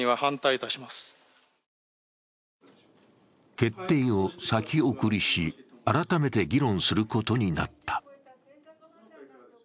決定を先送りし、改めて議論することになった。